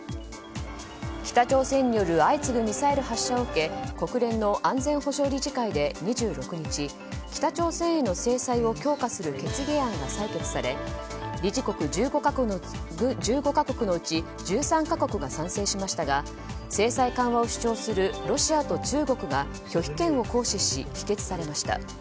北朝鮮による相次ぐミサイル発射を受け国連の安全保障理事会で２６日北朝鮮への制裁を強化する決議案が採決され、理事国１５か国のうち１３か国が賛成しましたが制裁緩和を主張するロシアと中国が拒否権を行使し否決されました。